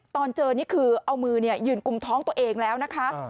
ตอนเจอนี่คือเอามือยืนกุมท้องตัวเองแล้วนะคะ